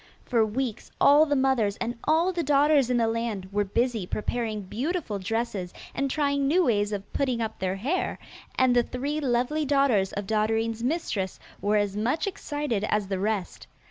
For weeks all the mothers and all the daughters in the land were busy preparing beautiful dresses and trying new ways of putting up their hair, and the three lovely daughters of Dotterine's mistress were as much excited as the rest.